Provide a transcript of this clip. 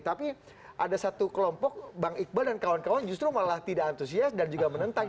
tapi ada satu kelompok bang iqbal dan kawan kawan justru malah tidak antusias dan juga menentang